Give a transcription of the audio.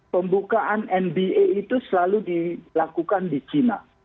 pembukaan nba itu selalu dilakukan di china